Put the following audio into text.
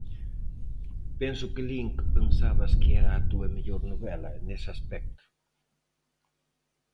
Penso que lin que pensabas que era a túa mellor novela, nese aspecto.